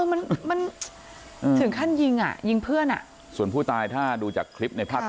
มันมันถึงขั้นยิงอ่ะยิงเพื่อนอ่ะส่วนผู้ตายถ้าดูจากคลิปในภาพ